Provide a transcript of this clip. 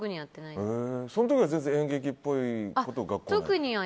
その時は演劇っぽいことは？